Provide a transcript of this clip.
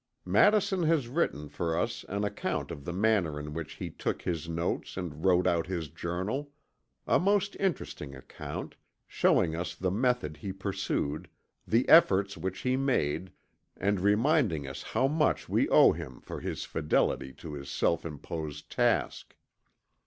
Madison has written for us an account of the manner in which he took his notes and wrote out his Journal a most interesting account, showing us the method he pursued, the efforts which he made, and reminding us how much we owe him for his fidelity to his self imposed task.